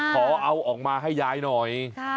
ขอเอาออกมาให้ยายหน่อย